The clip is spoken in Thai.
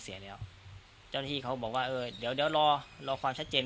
เสียแล้วเจ้าหน้าที่เขาบอกว่าเออเดี๋ยวเดี๋ยวรอรอความชัดเจน